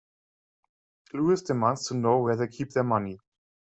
Louis demands to know where they keep their money.